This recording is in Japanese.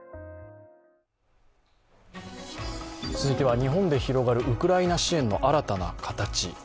続いては日本で広がるウクライナ支援の新たな形。